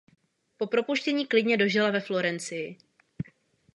Po propuštění klidně dožila ve Florencii.